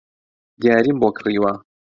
دیاریم بۆ کڕیوە